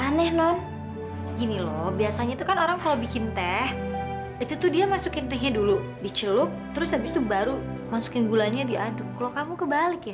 aneh non gini loh biasanya tuh kan orang kalau bikin teh itu tuh dia masukin tehnya dulu dicelup terus abis itu baru masukin gulanya diaduk kalau kamu kebalik ya